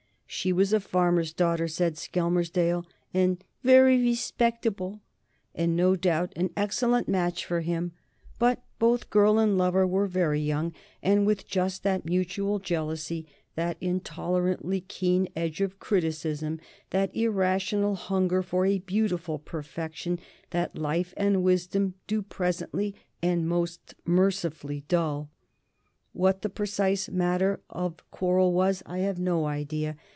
She was a farmer's daughter, said Skelmersdale, and "very respectable," and no doubt an excellent match for him; but both girl and lover were very young and with just that mutual jealousy, that intolerantly keen edge of criticism, that irrational hunger for a beautiful perfection, that life and wisdom do presently and most mercifully dull. What the precise matter of quarrel was I have no idea.